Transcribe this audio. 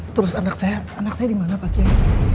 terus anak saya anak saya dimana pak yai